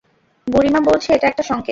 বুড়ি মা বলছে এটা একটা সংকেত।